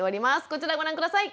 こちらご覧下さい。